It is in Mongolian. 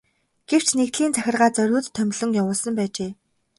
Гэвч нэгдлийн захиргаа зориуд томилон явуулсан байжээ.